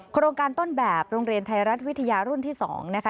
โครงการต้นแบบโรงเรียนไทยรัฐวิทยารุ่นที่๒นะคะ